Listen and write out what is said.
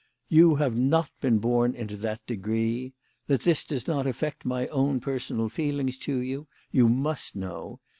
You have not been born into that degree. That this does not affect my own personal feeling to you, you must know.